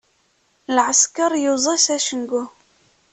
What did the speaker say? Lɛesker yuẓa s acengu.